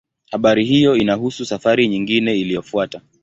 Habari hiyo inahusu safari nyingine iliyofuata.